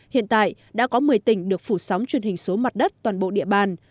hiện tại đã có một mươi tỉnh được phủ sóng truyền hình số mặt đất toàn bộ địa bàn